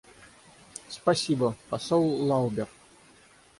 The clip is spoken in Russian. Спасибо, посол Лаубер.